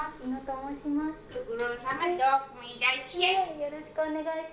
よろしくお願いします。